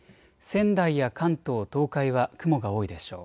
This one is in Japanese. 仙台や関東、東海は雲が多いでしょう。